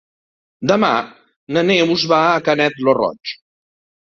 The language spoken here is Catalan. Demà na Neus va a Canet lo Roig.